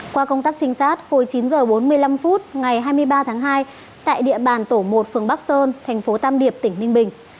qua công tác trinh sát hồi chín h bốn mươi năm phút ngày hai mươi ba tháng hai tại địa bàn tổ một phường bắc sơn thành phố tam điệp tỉnh ninh bình